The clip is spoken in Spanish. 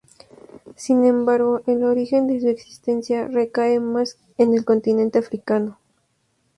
Sin embargo, el origen de su existencia recae más en el continente africano.